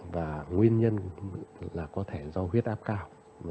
và nguyên nhân là có thể do huyết áp cao